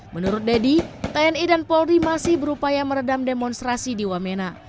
menurut dedy tni dan polri masih berupaya meredam demonstrasi di wamena